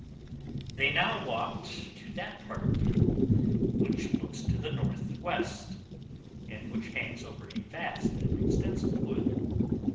They now walked to that part of the hill which looks to the north west, and which hangs over a vast and extensive wood.